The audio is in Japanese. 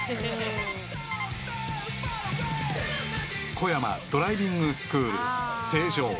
［コヤマドライビングスクール成城］